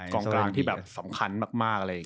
กองกลางที่สำคัญมาก